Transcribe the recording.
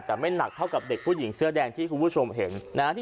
แต่ไม่หนักเท่ากับเด็กผู้หญิงเสื้อแดงที่คุณผู้ชมเห็นนะฮะ